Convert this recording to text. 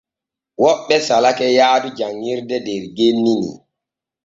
Woɓɓe salake yaadu janŋirde der genni ni.